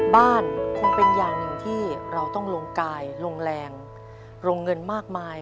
บ้านคงเป็นอย่างหนึ่งที่เราต้องลงกายลงแรงลงเงินมากมาย